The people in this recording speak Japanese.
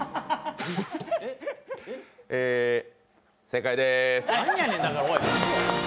正解です。